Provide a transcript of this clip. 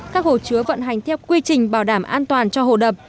các hồ chứa vận hành theo quy trình bảo đảm an toàn cho hồ đập